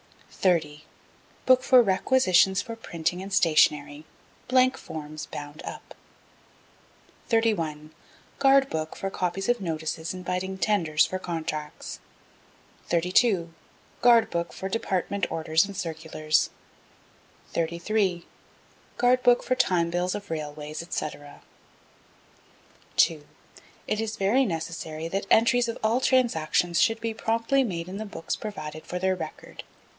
30. Book for requisitions for printing and stationery, (blank forms bound up.) 31. Guard Book for copies of notices inviting tenders for contracts. 32. Guard Book for Department orders and circulars. 33. Guard Book for Time Bills of Railways, &c. 2. It is very necessary that entries of all transactions should be promptly made in the books provided for their record.